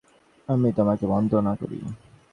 আমি তোমাকে বন্দনা করি।